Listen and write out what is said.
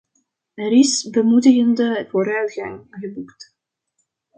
Er is bemoedigende vooruitgang geboekt.